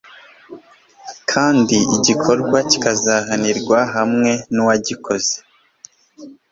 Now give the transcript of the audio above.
kandi igikorwa kikazahanirwa hamwe n'uwagikoze